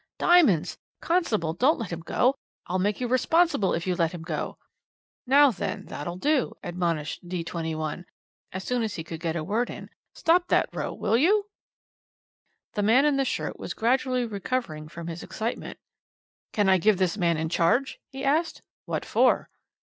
Diamonds! Constable, don't let him go I'll make you responsible if you let him go ' "'Now then that'll do!' admonished D 21 as soon as he could get a word in, 'stop that row, will you?' "The man in the shirt was gradually recovering from his excitement. "'Can I give this man in charge?' he asked. "'What for?'